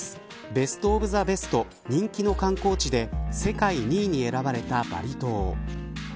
ベスト・オブ・ザ・ベスト人気の観光地で世界２位に選ばれたバリ島。